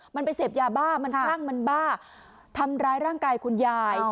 มันไปเสพยาบ้ามันคลั่งมันบ้าทำร้ายร่างกายคุณยาย